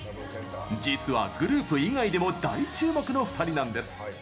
実はグループ以外でも大注目の２人なんです。